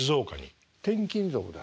転勤族だ？